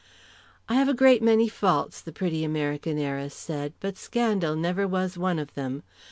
"I have a great many faults," the pretty American heiress said, "but scandal never was one of them.